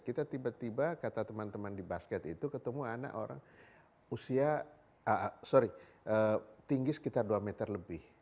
kita tiba tiba kata teman teman di basket itu ketemu anak orang usia sorry tinggi sekitar dua meter lebih